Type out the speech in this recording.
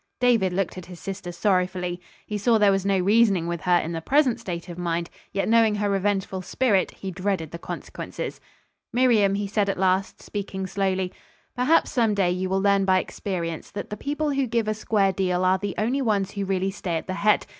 David looked at his sister sorrowfully. He saw there was no reasoning with her in her present state of mind; yet knowing her revengeful spirit, he dreaded the consequences. "Miriam," he said at last, speaking slowly, "perhaps, some day, you will learn by experience that the people who give a square deal are the only ones who really stay at the head.